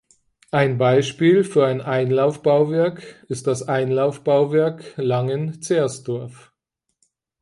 Ein Beispiel für ein Einlaufbauwerk ist das Einlaufbauwerk Langenzersdorf.